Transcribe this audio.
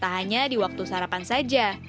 tak hanya di waktu sarapan saja